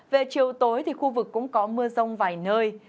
về chiều tối thì khu vực cũng có mưa rông vài nơi